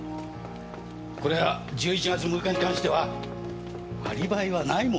これは１１月６日に関してはアリバイはないも同然ですね。